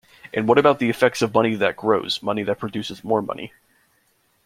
And what about the effects of money that grows, money that produces more money?